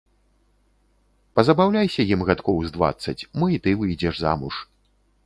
Пазабаўляйся ім гадкоў з дваццаць, мо і ты выйдзеш замуж.